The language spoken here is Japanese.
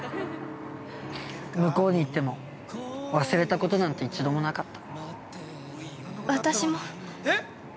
向こうに行っても忘れたことなんて一度もなかった。